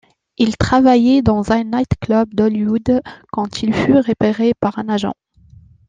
Il travaillait dans un night-club d'Hollywood quand il fut repéré par un agent.